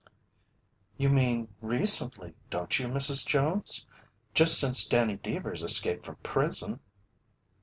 "You mean recently don't you, Mrs. Jones. Just since Danny Deevers escaped from prison?"